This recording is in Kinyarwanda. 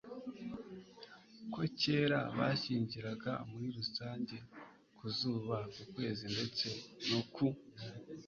ko kera bashingiraga muri rusange ku zuba, ku kwezi ndetse no ku